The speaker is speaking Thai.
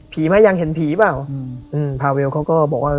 พี่ม่ายังเห็นผีเปล่าพาเวลเค้าก็บอกว่า